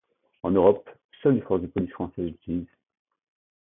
En Europe, seules les forces de police françaises l'utilisent.